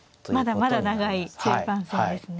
まだまだ長い中盤戦ですね。